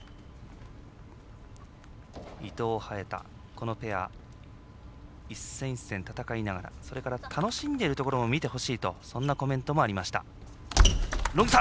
伊藤、早田、このペア一戦一戦、戦いながらそれから、楽しんでいるところも見てほしいとそんなコメントもありました。